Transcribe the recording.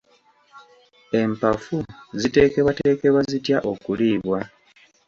Empafu ziteekebwateekebwa zitya okuliibwa?